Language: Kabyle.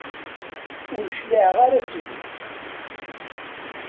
Ur cliɛeɣ ara seg-m.